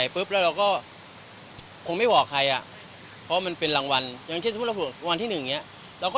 เพราะเป็นรางวัล